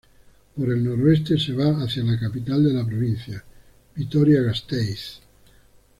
Por el noreste se va hacia la capital de la provincia, Vitoria-Gasteiz.